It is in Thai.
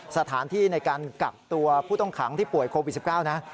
สถานที่ในการกักตัวผู้ต้องขังที่ป่วยโควิด๑๙นะ